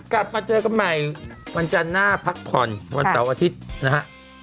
กลับมาเจอกันใหม่วันจันทร์หน้าพักผ่อนวันเสาร์อาทิตย์นะฮะ